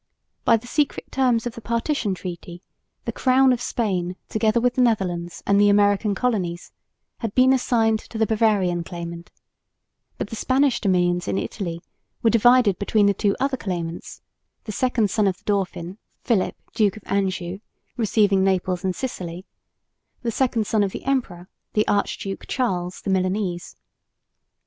By the secret terms of the partition treaty the crown of Spain together with the Netherlands and the American colonies had been assigned to the Bavarian claimant, but the Spanish dominions in Italy were divided between the two other claimants, the second son of the Dauphin, Philip, Duke of Anjou, receiving Naples and Sicily; the second son of the emperor, the Archduke Charles, the Milanese.